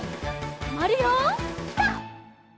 とまるよピタ！